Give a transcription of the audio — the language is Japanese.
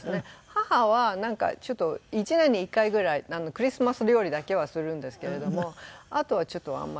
母はなんかちょっと１年に１回ぐらいクリスマス料理だけはするんですけれどもあとはちょっとあんまり。